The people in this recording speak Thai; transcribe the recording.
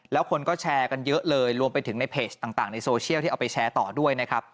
แล้วคนก็แชร์กันเยอะเลยรวมไปถึงในเพจต่างในโซเชียลที่เอาไปแชร์ต่อด้วยนะครับ